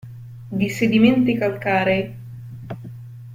Di sedimenti calcarei.